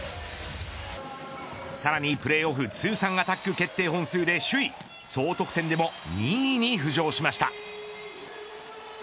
さらに、プレーオフ通算アタック決定本数で首位総得点でも２位に浮上しました。